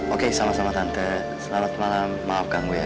oke sama sama tante selamat malam maafkan gue ya